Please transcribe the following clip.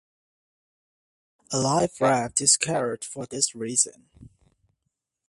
A life raft is carried for this reason.